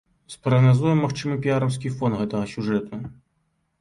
Спрагназуем магчымы піяраўскі фон гэтага сюжэту.